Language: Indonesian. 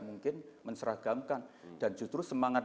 mungkin menseragamkan dan justru semangat